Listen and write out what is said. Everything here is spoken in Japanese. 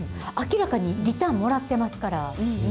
明らかにリターンもらってますから。